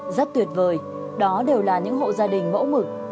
rất tuyệt vời đó đều là những hộ gia đình mẫu mực